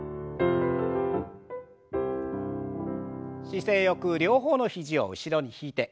姿勢よく両方の肘を後ろに引いて。